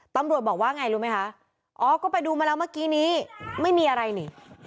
ตำรวจบอกว่าไงรู้ไหมคะอ๋อก็ไปดูมาแล้วเมื่อกี้นี้ไม่มีอะไรนี่